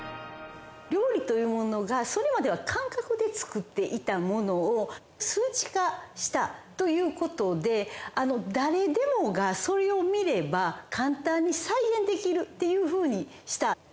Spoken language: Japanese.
料理というものが、それまでは感覚で作っていたものを、数値化したということで、誰でもが、それを見れば、簡単に再現できるっていうふうにした。